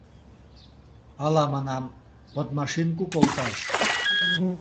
Ала, манам, «подмашинку» колташ?